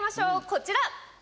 こちら。